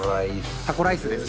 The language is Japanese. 「タコライスです」